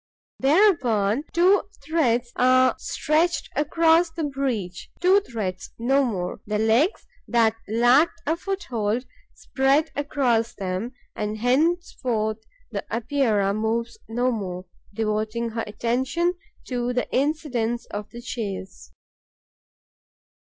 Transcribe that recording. Thereupon, two threads are stretched across the breach, two threads, no more; the legs that lacked a foothold spread across them; and henceforth the Epeira moves no more, devoting her attention to the incidents of the chase.